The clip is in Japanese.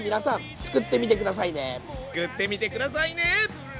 作ってみて下さいね！